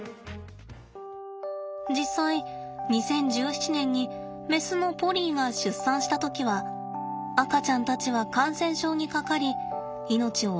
実際２０１７年にメスのポリーが出産した時は赤ちゃんたちは感染症にかかり命を落としてしまいました。